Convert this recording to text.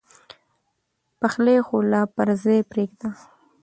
پخلی خو لا پر ځای پرېږده.